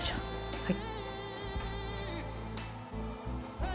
はい。